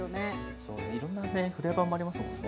そういろんなねフレーバーもありますもんね。